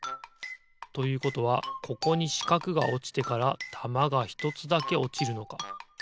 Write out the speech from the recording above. ということはここにしかくがおちてからたまがひとつだけおちるのか。